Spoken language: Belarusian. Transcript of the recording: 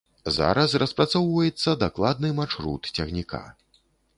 Зараз распрацоўваецца дакладны маршрут цягніка.